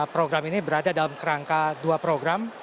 program ini berada dalam kerangka dua program